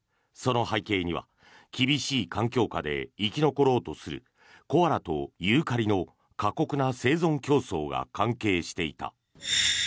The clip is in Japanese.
その背景には厳しい環境下で生き残ろうとするコアラとユーカリの過酷な生存競争が関係していた。